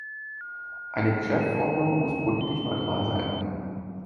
Eine Geschäftsordnung muss politisch neutral sein.